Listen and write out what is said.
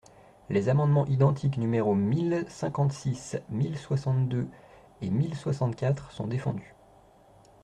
Les amendements identiques numéros mille cinquante-six, mille soixante-deux et mille soixante-quatre sont défendus.